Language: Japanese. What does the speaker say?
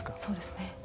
そうですね。